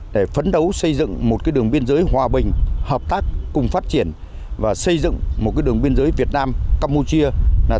để phấn đấu xây dựng một đường biên giới hòa bình hợp tác cùng phát triển và xây dựng một đường biên giới việt nam campuchia